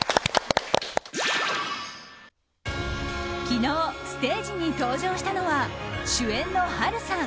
昨日、ステージに登場したのは主演の波瑠さん